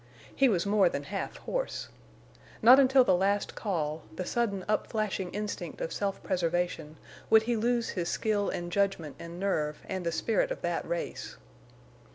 He was more than half horse. Not until the last call—the sudden up flashing instinct of self preservation—would he lose his skill and judgment and nerve and the spirit of that race.